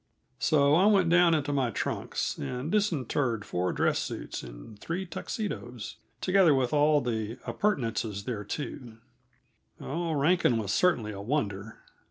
So I went down into my trunks, and disinterred four dress suits and three Tuxedos, together with all the appurtenances thereto. Oh, Rankin was certainly a wonder!